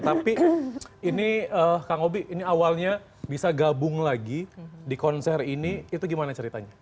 tapi ini kang obi ini awalnya bisa gabung lagi di konser ini itu gimana ceritanya